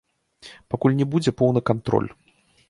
Пакуль не будзе поўны кантроль.